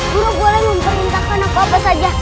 guru boleh memperintahkan apa apa saja